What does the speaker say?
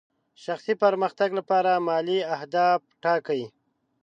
شخصي پرمختګ لپاره مالي اهداف ټاکئ.